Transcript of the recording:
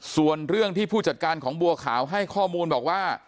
ส่วนเรื่องที่ผู้จัดการของบัวขาวให้ข้อมูลบอกว่า